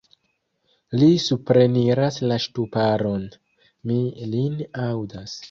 Li supreniras la ŝtuparon: mi lin aŭdas.